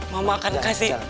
mama akan kasih